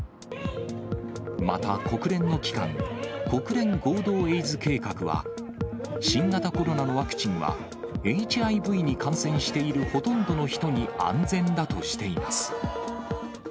また、国連の機関、国連合同エイズ計画は、新型コロナのワクチンは、ＨＩＶに感染しているほとんどの人に安全だとしています。